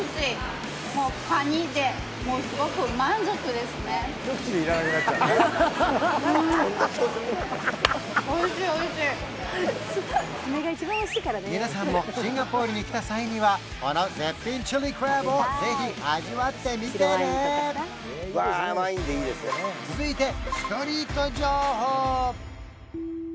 この皆さんもシンガポールに来た際にはこの絶品チリクラブをぜひ味わってみてね続いてストリート情報！